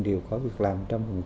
đều có việc làm một trăm linh